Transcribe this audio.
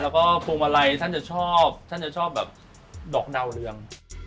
แล้วก็ปวงมาลัยจะชอบดอกเดาเรือง